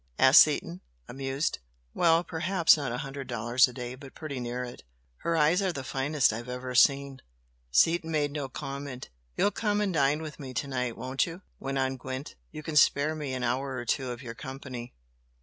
asked Seaton, amused. "Well! perhaps not a hundred dollars a day, but pretty near it! Her eyes are the finest I've ever seen." Seaton made no comment. "You'll come and dine with me to night, won't you?" went on Gwent "You can spare me an hour or two of your company?"